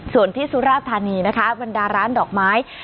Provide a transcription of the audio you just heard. ส่วนที่สุราธานีนะคะบรรดาร้านดอกไม้